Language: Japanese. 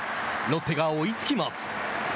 ロッテが追いつきます。